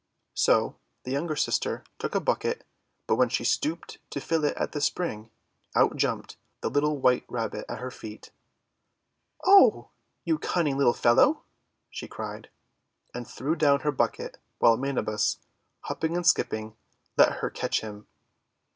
So the younger sister took a bucket, but when she stooped to fill it at the spring, out jumped the little white Rabbit at her feet. "Oh, you cunning little fellow!'' she cried, and threw down her bucket, while Manabus, hopping and skipping, let her catch him.